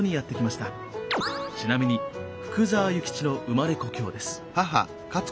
ちなみに福沢諭吉の生まれ故郷です。